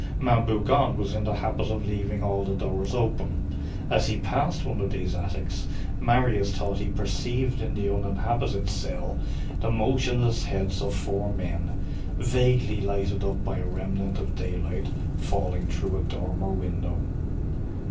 Ma'am Bougon was in the habit of leaving all the doors open. As he passed one of these attics, Marius thought he perceived in the uninhabited cell the motionless heads of four men, vaguely lighted up by a remnant of daylight, falling through a dormer window.